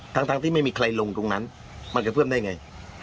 ทั้งที่ไม่มีใครลงตรงนั้นมันจะเพิ่มได้ไง